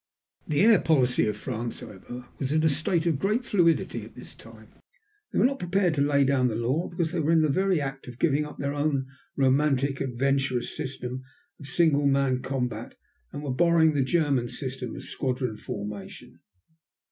The air policy of France, however, was in a state of great fluidity at this time. They were not prepared to lay down the law, because they were in the very act of giving up their own romantic, adventurous system of single man combat, and were borrowing the German system of squadron formation.